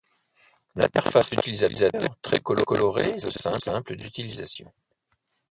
L'interface utilisateur très colorée se veut simple d'utilisation.